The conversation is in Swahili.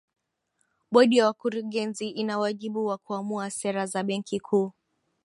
bodi ya wakurugenzi ina wajibu wa kuamua sera za benki kuu